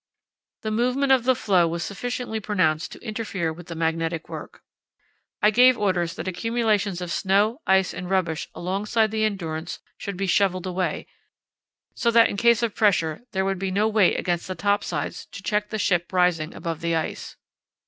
The movement of the floe was sufficiently pronounced to interfere with the magnetic work. I gave orders that accumulations of snow, ice, and rubbish alongside the Endurance should be shovelled away, so that in case of pressure there would be no weight against the topsides to check the ship rising above the ice.